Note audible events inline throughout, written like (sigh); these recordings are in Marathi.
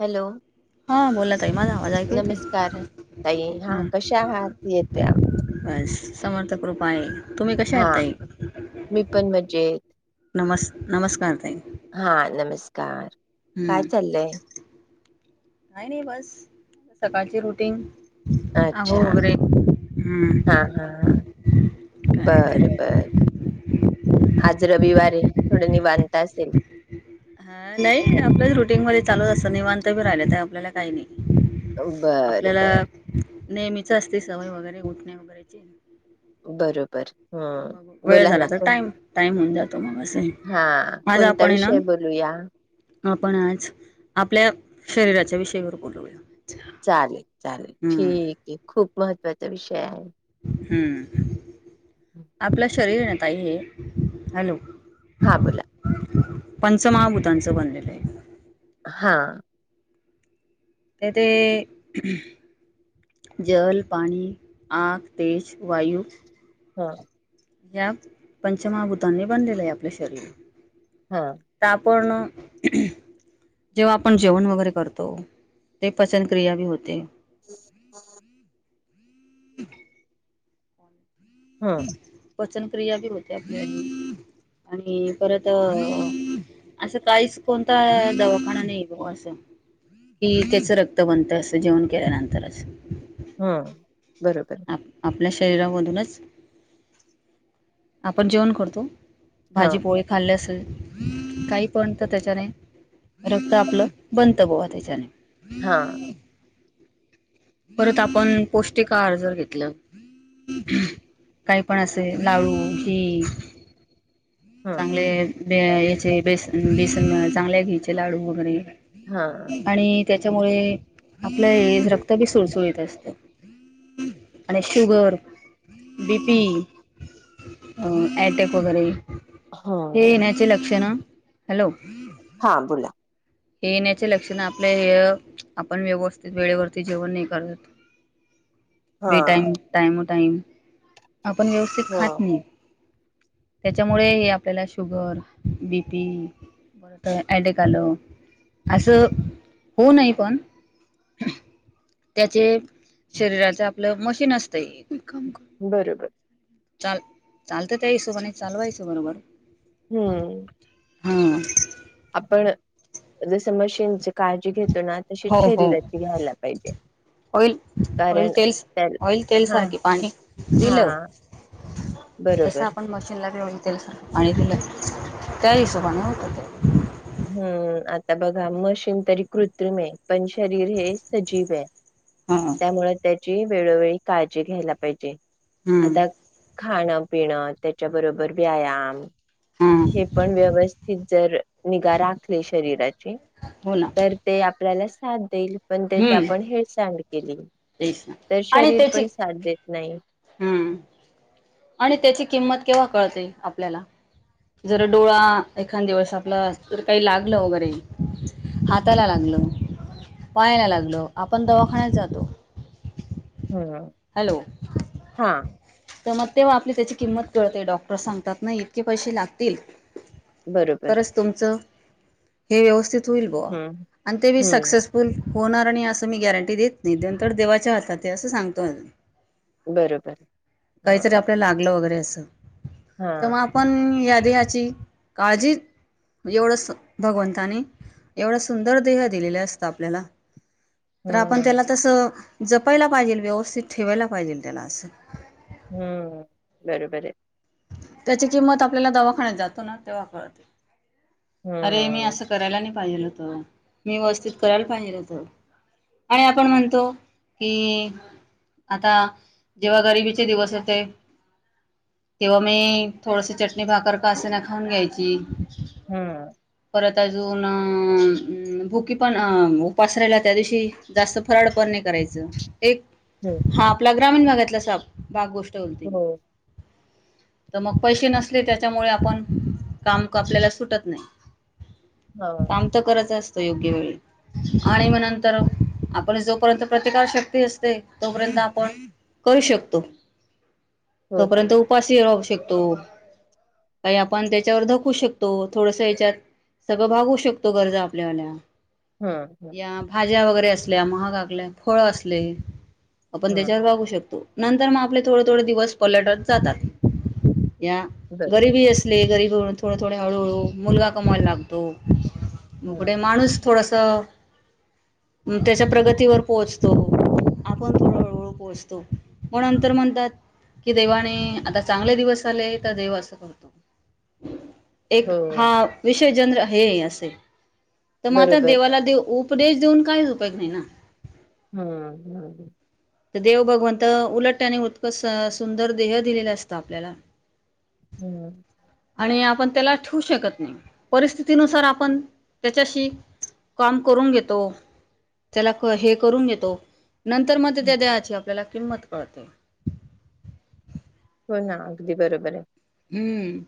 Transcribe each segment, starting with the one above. हॅलो हा बोला ताई माझा आवाज ऐकू येतोय नमस्कार ताई हा कशा आहात येतोय आवाज बस समर्थ कृपा आहे. तुम्ही कशा हा आहेत ताई मी पण मजेत नमस् नमस्कार ताई हा नमस्कार काय चाललंय? नाही नाही बस सकाळची रुटीन अच्छा आंघोळ हा वगैरे हम्म हा ह काय बरं ताई? बर आज रविवार आहे थोडं निवांत असेल. ह नाही आपलंच रुटीन मध्ये चालूत असतं निवांत बी राहिले आहे आपल्याला काही नाही बर आपल्याला बर नेहमीच असते सवय वगैरे उठणे वगैरे चे बरोबर. हं. वेळ बोला झाला ना. तर कोण टाईम टाईम होऊन जातो मग असं हां, माझं कोणता आपण ये ना विषय बोलूया? आपण आज आपल्या शरीराच्या विषयावर बोलूया. चालेल. चालेल हम्म ठीक आहे खूप महत्त्वाचा विषय आहे. हम आपल्या श शरीर आहे ना ताई हे हॅलो हा बोला. पंचमहाभूतांचं बनलेलं आहे. हा. ते ते जल, पाणी, आग, तेज, वायू हा. या पंचमहाभूतांनी बनलेलं आहे आपलं शरीर हा. पण जेव्हा आपण जेवण वगैरे करतो ते पचनक्रिया बी होते. (inaudible) हम् (inaudible) हं, हम (inaudible) पचन क्रिया बी होते आपल्या आणि परत असं काहीच कोणता दवाखाना नाही बघ असं कि त्याच रक्तबंत अस जेवण केल्यानंतरच. त (unintelligible) आप आपल्या शरीरामधूनच आपण जेवण करतो हां, भाजी पोळी खाल्ले असेल काही पण तर त्याच्याने रक्त आपलं बंत बो त्याच्याने हा परत आपण पौष्टिक आहार जर घेतलं काही पण असे लाडू घी हा चांगले ब याचे बेसन बेसन चांगल्या घ्यायचे लाडू वगैरे हा आणि त्याच्यामुळे आपलं हे रक्त तर बी सुळसुळीत असतं आणि शुगर बी पी ॲटॅक वगैरे हे हम्म येण्याचे लक्ष ना हॅलो हा बोला हे येण्याच्या लक्षण आपल्या हे आपण व्यवस्थित वेळेवरती जेवण नाही करत हा ब टाइम टाइम टाईम आपण व्यवस्थित हा खात नाही त्याच्यामुळे हे आपल्याला शुगर बीपी बर अटॅक आलं असं होऊ नाहीय पण त्याचे शरीराच आपलं मशीन असतंय. बरोबर चाल चालत त्या हिशोबा नाही चालवायसो बरोबर हम्म हां आपण जस मशीनची काळजी घेत हो हो ऑइल ऑइल कारण तेल त्या ऑइल तेल हा सारखी पाणी हा दिलं तस बरोबर आपण मशीनला घेऊन ते स पाणी दिलं त्या हिशोबाने होतं ते हम्म आता बघा मशीन तरी कृत्रिम आहे पण शरीर हे सजीव आहे. हा त्यामुळे त्या वेळोवेळी काळजी घ्यायला पाहिजे. हम्म आता खाणं पिणं त्याच्याबरोबर व्यायाम हे हम्म पण व्यवस्थित जर निगा राखली शरीराची हो ना तर ते तरच साथ देईल पण त्याचा हम्म आपण हेळसांड केली तेच ना तर आणि शरीर त्याची पण साथ देत नाही. हम्म आणि त्याची किंमत केव्हा कळते आपल्याला जर डोळा एखाद्या वेळेस आपला तर काही लागलं वगैरे हम्म. हाताला लागलं पायाला लागल आपण दवाखान्यात जातो. हम्म हॅलो हा तर मग तेव्हा आपली त्याची किंमत कळते डॉक्टर सांगतात ना इतके पैसे लागतील. बरोबर तरच तुमचं हे व्यवस्थित होईल बुवा हम्म आणि ते बी हम्म सक्सेसफुल होणार आणि असं मी गॅरंटी देत नाही. नंतर देवाच्या हातात असं सांगतो अजुन बरोबर हा काहीतरी आपल्याला लागलं वगैरे अस च हा तर मग आपण या देहाची काळजी एवढं भगवंताने एवढा सुंदर देह दिलेलं असतं आपल्याला. तर आपण हम्म त्याला तसं जपायला पाहिजेल व्यवस्थित ठेवायला पाहिजे त्याला असं. हम्म बरोबर आहे. त्याची किंमत आपल्याला दवाखान्यात जातो ना तेव्हा कळते. अरे मी हम्म असं करायला नाही पाहिल होत मी व्यवस्थित करायला पाहिेलं होत आणि आपण म्हणतो कि आता जेव्हा गरिबीचे दिवस होते तेव्हा मी थोडस चटणी भाकर का असे ना खाऊन घ्यायची. हम्म परत अजून भुकी पण उपास रायला त्या दिवशी जास्त फराळ पण नाही करायचं. एक हम्म हा आपला ग्रामीण भागात असा भाग गोष्ट हो (unintelligible) तर मग पैसे नसले त्याच्यामुळे आपण काम आपल्याला सुटत नाही. हा काम तर करायच असत योग्य वेळी आणि मग नंतर आपण जोपर्यंत प्रतिकार शक्ती असते तोपर्यंत आपण करू शकतो. हो ना तोपर्यंत उपास काही आपण त्याच्यावर धकू शकतो थोडस याच्यात- सगळं भागू शकतो गरजा आपल्याला! हम्म या भाज्या वगैरे - असल्या महागाकल्या फळ असले. आपण त्याच्यावर हम्म भागू शकतो. नंतर मग आपले थोडे थोडे दिवस पलटत जातात. या बरोबर गरीबी असले गरीब- थोड थोडे हळूहळू मुलगा अ - समय लागतो. हम्म कुठे माणूस थोडस! त त्याच्या प्रगतीवर पोहोचतो आपण थोडू हळूहळू पोहोचतो मग नंतर म्हणतात कि देवाने आता चांगले दिवस आले तर देव असं करतो. एक हा हो विष जन्र हे असे! तर मग आत बरोबर देवाला देव उप - उपदेश देऊन काहीच उपयोग नाही ना. हम्म हम्म हम्म तर देव भगवंत उलट त्याने उत्ककस सुंदर देह दिलेल असत आपल्याला. हम्म आणि आपण त्याला ठेव शकत नाही परिस्थितीनुसार आपण त्याच्याशी काम करून घेतो त्याला हे करून घेतो नंतर! हम्म. त्या देहाची आपल्याला - किंमत कळ ते - हो ना अगदी बरोबर आहे. हम्म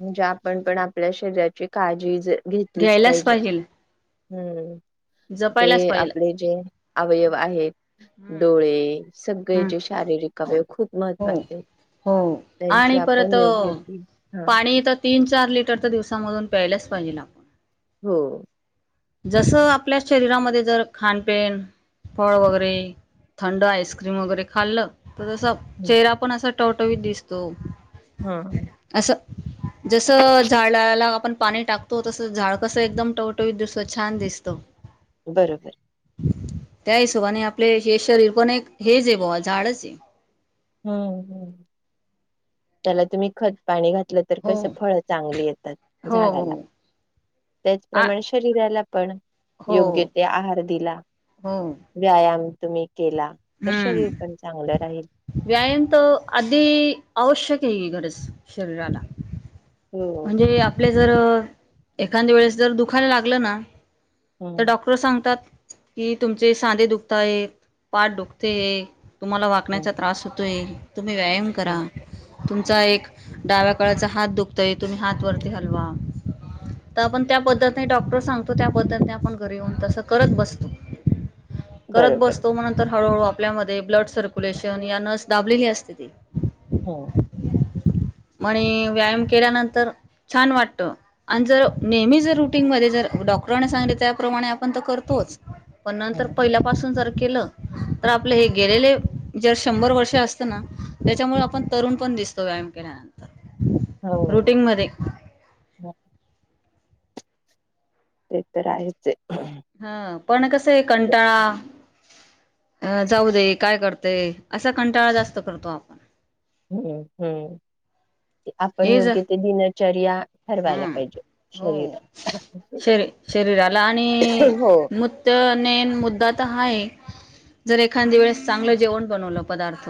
म्हणजे आपण पण आपल्या शरीराची काळजी जे! घेतलीच घ्यायलाच पाहिजे. पाहिजेल हम्म जपायलाच ते पाहिजे आपले जे अवयव आहेत हम्म डोळे सगळे हम्म जे शारीरिक अवयव खूप - हो हो आणि आपण परत योग्य ती हा पाणी तर तीन चार - चार लिटर तर दिवसामधून प्यायलाच पाहिजे ना आपण. हो जस आपल्या शरीरामध्ये जर खान पेन फळ वगैरे थंड आईस्क्रीम वगैरे खाल्लं तर तस! चेहरा पण असं टवटवीत दिसतो. हम्म अस जस झाडाला- आपण पाणी टाकतो तसं झाड कसं एकदम टवटवीत दिसत छान दिसतं बरोबर त्या हिशोबाने आपले शरीर पण एक हेच आहे बा झाडच आहे. हम्म त्याला तुम्ही खत पाणी घात. तर हो कस फळ चांगले येतात हो झाडाला हो त्याच आ प्रमाणे शरीराला - पण हो योग्य ते आहार दिला हो व्यायाम तुम्ही केला तर शरीर हम्म पण चांगलं राहील व्यायाम तर आधी आवश्यक आहे गरज शरीराला हो म्हणजे आपल्या जर एखाद वेळेस जर दुखायला लागलं ना तर हम्म डॉक्टर सांगतात कि तुमचे सांधे दुखताय पाठ दुखते तुम्हाला हम्म वाकण्याचा त्रास होतो (inaudible) तुम्ही व्यायाम करा हम्म तुमचा एक डाव्या कळाचा हात दुख तुम्ही हात वरती हलवा तर आपण त्या पद्धतने डॉक्टर सांगतो त्या पद्धतने आपण घरी येऊन तस करत बसतो करत बरोबर बसतो म नंतर हळूहळू आपल्यामध्ये ब्लड सर्क्युलेशन या नर्स दाबलेली असते ती हम्म म्हणे व्यायाम केल्यानंतर छान वाटत अन जर नेहमी जर रुटीनमध्ये जर डॉक्टरने सांगले त्याप्रमाणे आपण तर करतोच पण नंतर हम्म पहिल्यापासून जर केलं तर आपले हे गेलेले जर शंभर वर्ष असतं ना त्याच्यामुळे आपण तरुण पण दिसतो व्यायाम केल्यानंतर हो रुटीनमध्ये ते तर आहेच हा पण कसंय आहे कंटाळा अंं जाऊ दे काय करते असा कंटाळा जास्त करतो आपण हम्म हम्म आपण योग्य ते दिलं (unintelligible) हम हो शरी शरीराला आणि हो (unintelligible) मेन मुद्दा तर हा ए जर एखादी्या वेळेस चांगलं जेवण बनवलं पदार्थ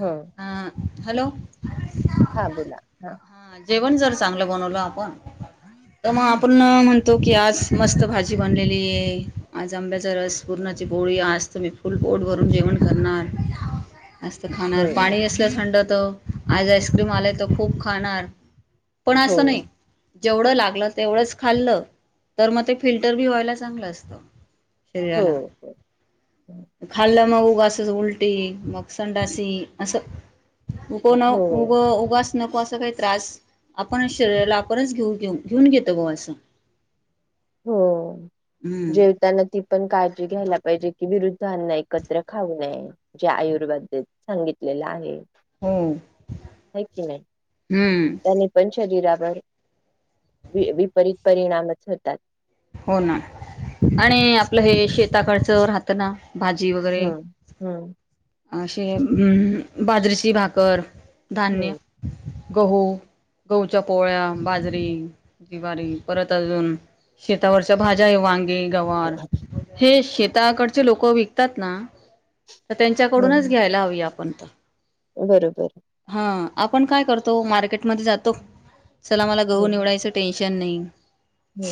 हम् अ हॅलो हा बोला हा जेवण जर चांगलं बनवलं आपण तर मग आपण म्हणतो की, आज मस्त भाजी बनलेली आहे आज आंब्याचा रस पुूरणाची पोळी आज त मी फुल पोट भरून जेवण करणार जास्त खाणार हम्म पाणी असलं थंड आज आईस्क्रीम आलाय तर खूप (inaudible) पण हो असं नाय जेवढं लागलं तेवढंच खाल्ल तर मग ते फिल्टर बी व्हायला चांगलं असतं हो शरीराला हो खाल्ला मंग वासज उलटी मग संडासी असं ऊब ना हो ऊब उबास नको अस तो काही त्रास आपणच शरीराला आपणच घेऊ घेऊ घेऊन घेतो बुवा असं हो हम्म जेवताना ती पण काळजी घ्यायला पाहिजे की विरुद्धांना एकत्र खाऊ नये जे आयुर्वेदेत सांगितलेलं आहे ह्म्म हाय की नाही हम्म त्याने पण शरीरावर वि विपरीत परिणामच होतात हो ना आणि आपलं हे शेता कडचं राहतं ना भाजी वगैरे हम्म हम्म अशे ह्म्म बाजरीची भाकर धान्य हम्म गहू गहूच्या पोळ्या बाजरी जिवारी परत अजून शेतावरच्या भाज्या आहे वांग गे गवार जे शेत ताकडचे लोक विकतात ना, तर त्यांच्याकडूनच हम्म घ्यायला हवी आप पंत बरोबर आपण काय करतो मार्केटमध्ये जातो चला मला गहू निवडायंच टे चेन्नई हो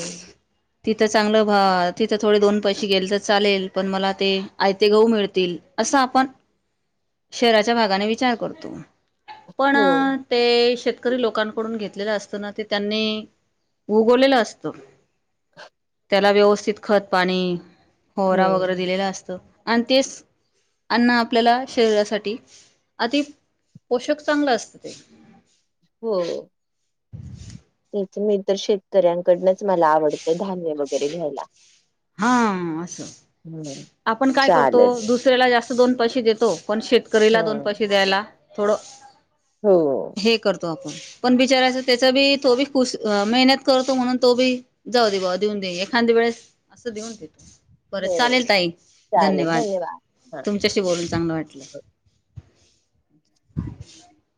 तिथं चांगलं भा तिथं थोडे दोन पैसे गेले तर चालेल पण मला ते आयते गहू मिळतील असं आपण शहराच्या भागाने विचार करतो पण हो ते शेत करी लोकांकडून घेतलेलं असत ना ते त्यांनी उगवलेलं असतं (inaudible) त्याला व्यवस्थित खत पाणी हो होहरा वगैरे दिलेला असतं आणि तेच अन्न आपल्याला शरीरासाठी अति पोषक चांगलं असतं हो हो मी तर शेतकऱ्यांकडनच मला आवडतं धान्य वगैरे घ्यायला हा असं हम्म. आपण काय करतो चालेल. दुसऱ्या जास्त दोन पैसे देतो. पण शेतकरीला हा दोन पैसे द्यायला थोड. हो. आपण पण बिचारायच त्याचा बी तो बी खुश मेहनत करतो म्हणून तो बी जाऊ दे बा देऊन दे एखाद वेळेस असं देऊन देतो. बर हो चालेल ताई चालेल धन्यवाद, हा. तुमच्याशी बोलून चांगलं वाटलं. (inaudible)